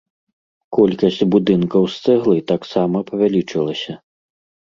Колькасць будынкаў з цэглы таксама павялічылася.